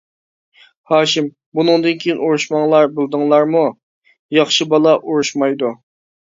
ھاشىم: بۇنىڭدىن كېيىن ئۇرۇشماڭلار بىلدىڭلارمۇ، ياخشى بالا ئۇرۇشمايدۇ.